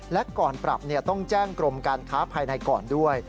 และก่อนปรับต้องแจ้งกรมการค้าภายในก่อนด้วย